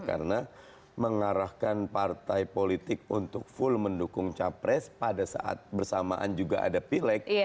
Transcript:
karena mengarahkan partai politik untuk full mendukung capres pada saat bersamaan juga ada pileg